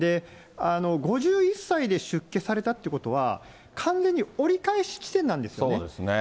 ５１歳で出家されたってことは、完全に折り返し地点なんですよね。